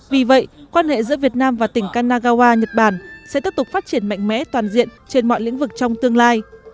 vì vậy quan hệ giữa việt nam và tỉnh kanagawa nhật bản sẽ tiếp tục phát triển mạnh mẽ toàn diện trên mọi lĩnh vực trong tương lai